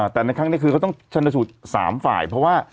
แต่ในครั้งนี้คือเขาต้องชนสูตร๓ฝ่ายเพราะว่า